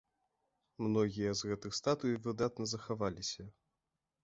Многія з гэтых статуй выдатна захаваліся.